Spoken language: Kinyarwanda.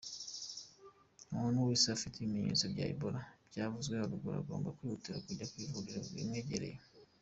Umuntu wese ufite ibimenyetso bya Ebola byavuzwe haruguru agomba kwihutira kujya ku ivuriro rimwegereye; .